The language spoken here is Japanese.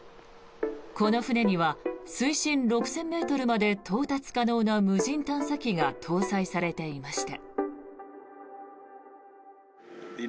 この船には水深６０００ｍまで到達可能な無人探査機が搭載されていました。